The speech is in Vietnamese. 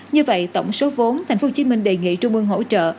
như vậy tổng số vốn tp hcm đề nghị trung ương hỗ trợ